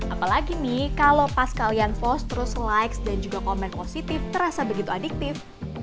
apalagi nih kalau pas kalian post terus likes dan juga komen positif terasa begitu adiktif